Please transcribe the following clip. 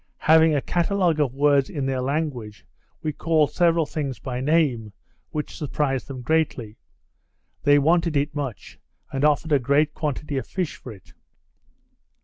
Having a catalogue of words in their language, we called several things by name, which surprised them greatly. They wanted it much, and offered a great quantity of fish for it.